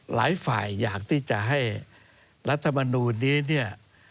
หลายฝ่ายอยากที่จะให้รัฐบาลนูนนี้